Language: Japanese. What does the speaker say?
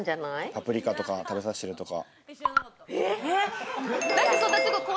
パプリカとか食べさせてるとか。